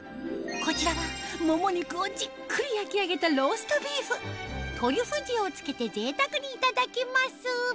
こちらはもも肉をじっくり焼き上げたトリュフ塩を付けてぜいたくにいただきます